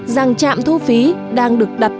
rằng trạm thu phi đang được đặt